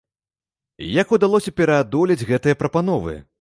Як удалося пераадолець гэтыя прапановы?